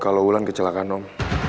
kalo ulan kecelakaan om